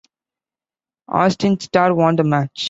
Austin Starr won the match.